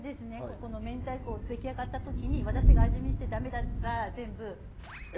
この明太子出来上がった時に私が味見して駄目だったら全部。え！